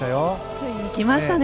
ついに来ましたね